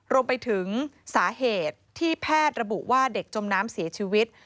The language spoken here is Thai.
รวมไปถึงสาเหตุที่แพทย์ระบุว่าเด็กจมน้ำเสียชีวิต